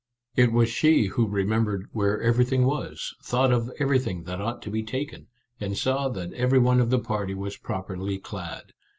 It was she who remembered where everything was, thought of everything that ought to be taken, and saw that every one of the party was properly clad.